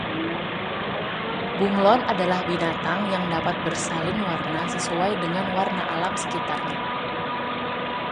bunglon adalah binatang yang dapat bersalin warna sesuai dengan warna alam sekitarnya